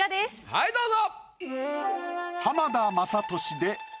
はいどうぞ！